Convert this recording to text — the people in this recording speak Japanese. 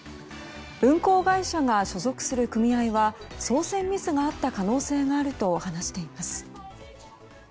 運航会社が所属する組合は操船ミスがあった可能性があると話しています。